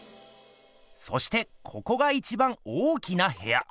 そしてここがいちばん大きなへや。